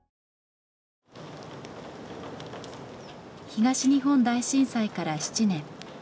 東日本大震災から７年。